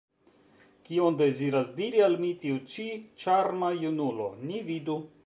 Kion deziras diri al mi tiu ĉi ĉarma junulo? Ni vidu!